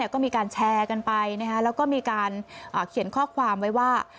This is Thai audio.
ก็มีการแชร์กันไปแล้วก็มีการเขียนข้อความไว้ว่า